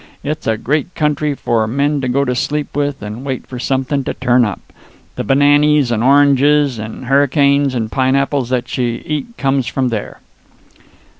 It's a great country for a man to go to sleep with, and wait for somethin' to turn up. The bananys and oranges and hurricanes and pineapples that ye eat comes from there."